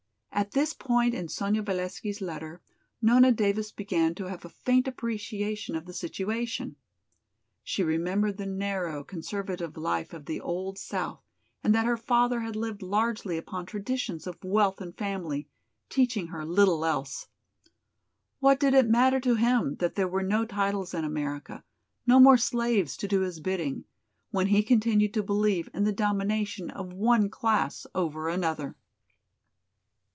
At this point in Sonya Valesky's letter, Nona Davis began to have a faint appreciation of the situation. She remembered the narrow, conservative life of the old south and that her father had lived largely upon traditions of wealth and family, teaching her little else. What did it matter to him that there were no titles in America, no more slaves to do his bidding, when he continued to believe in the domination of one class over another.